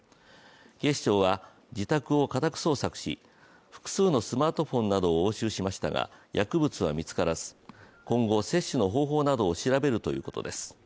警視庁は自宅を家宅捜索し複数のスマートフォンなどを押収しましたが薬物は見つからず今後、摂取の方法などを調べるということです。